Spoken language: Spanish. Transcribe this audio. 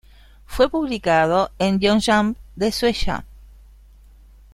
Fue publicado en "Young Jump" de Shūeisha.